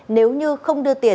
nếu như không đưa tiền